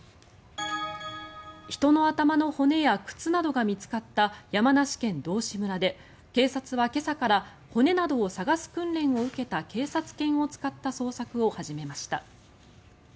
人の頭の骨や靴などが見つかった山梨県道志村で警察は今朝から骨などを探す訓練を受けた警察犬を使った捜索を始めました。